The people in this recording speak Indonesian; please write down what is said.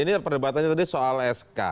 ini perdebatannya tadi soal sk